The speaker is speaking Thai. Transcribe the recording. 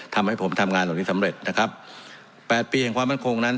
ทำให้ผมทำงานเหล่านี้สำเร็จนะครับแปดปีแห่งความมั่นคงนั้น